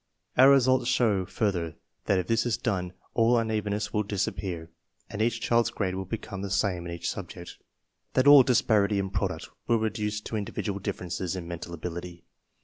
Our results show fur ther that if this is done all unevenness will disappear and each child's grade will become the same in each subject; that all disparity in product will reduce to indi vidual differences in mental ability.